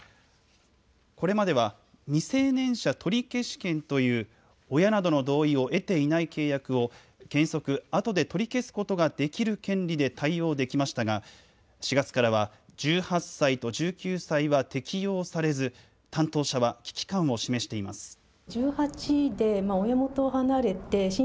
これまでは、未成年者取消権という、親などの同意を得ていない契約を、原則、あとで取り消すことができる権利で対応できましたが、４月からは、１８歳と１９歳は適用されず、担当者は危機感を示しています。